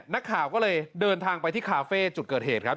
นักข่าวก็เลยเดินทางไปที่คาเฟ่จุดเกิดเหตุครับ